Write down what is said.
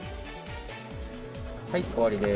はい、終わりです。